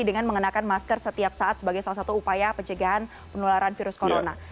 dengan mengenakan masker setiap saat sebagai salah satu upaya pencegahan penularan virus corona